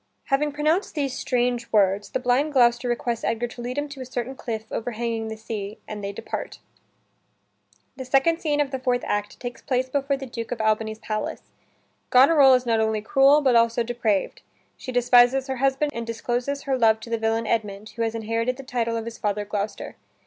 Having pronounced these strange words, the blind Gloucester requests Edgar to lead him to a certain cliff overhanging the sea, and they depart. The second scene of the fourth act takes place before the Duke of Albany's palace. Goneril is not only cruel, but also depraved. She despises her husband and discloses her love to the villain Edmund, who has inherited the title of his father Gloucester.